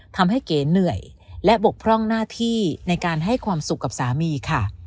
เก๋เหนื่อยและบกพร่องหน้าที่ในการให้ความสุขกับสามีค่ะ